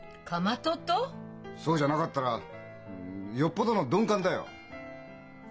そうじゃなかったらよっぽどの鈍感だよ！